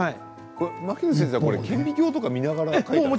牧野先生は顕微鏡とか見ながら描いたんですか？